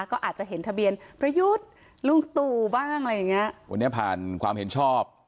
ก็อาจจะเห็นทะเบียนประยุทธ์ลุงตู่บ้างอะไรอย่างเงี้ยวันนี้ผ่านความเห็นชอบ